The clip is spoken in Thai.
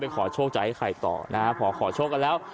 ขอโชคกันแล้ว